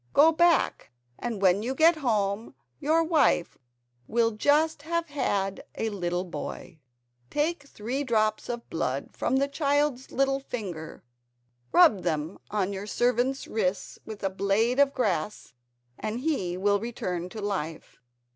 Go back, and when you get home your wife will just have had a little boy. Take three drops of blood from the child's little finger, rub them on your servant's wrists with a blade of grass and he will return to life."